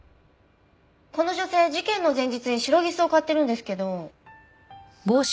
この女性事件の前日にシロギスを買ってるんですけど。